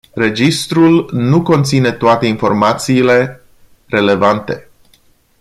Registrul nu conține toate informațiile relevante.